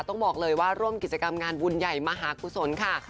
ต้องบอกเลยว่าร่วมกิจกรรมงานบุญใหญ่มหากุศลค่ะ